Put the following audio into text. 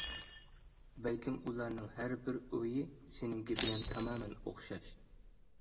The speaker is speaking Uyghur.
بەلكىم ئۇلارنىڭ ھەر بىر ئويى سېنىڭكى بىلەن تامامەن ئوخشاش.